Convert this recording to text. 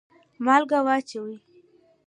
مالګه واچوئ